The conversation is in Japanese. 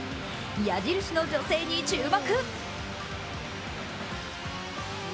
矢印の女性に注目！